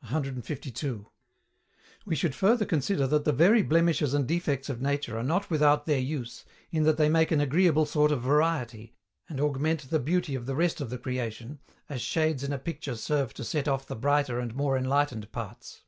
152. We should further consider that the very blemishes and defects of nature are not without their use, in that they make an agreeable sort of variety, and augment the beauty of the rest of the creation, as shades in a picture serve to set off the brighter and more enlightened parts.